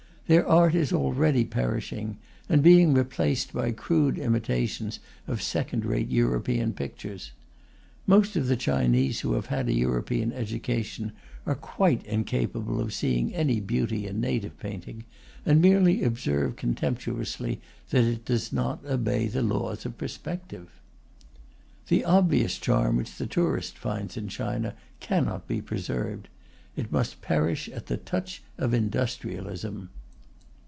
Their art is already perishing, and being replaced by crude imitations of second rate European pictures. Most of the Chinese who have had a European education are quite incapable of seeing any beauty in native painting, and merely observe contemptuously that it does not obey the laws of perspective. The obvious charm which the tourist finds in China cannot be preserved; it must perish at the touch of industrialism.